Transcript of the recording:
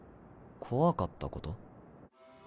怖かったこと？